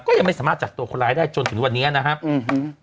ก็ยังไม่สามารถจับตัวคนร้ายได้จนถึงวันนี้นะครับอืม